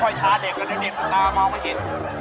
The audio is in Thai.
พ่อยช้าเด็กกันเด็กหน้ามองไม่เห็น